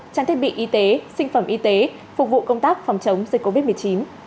trang thiết bị y tế sinh phẩm y tế phục vụ công tác phòng chống dịch covid một mươi chín